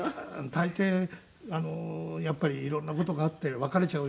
大抵やっぱり色んな事があって別れちゃう